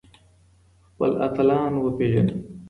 خپل اتلان وپېژنئ.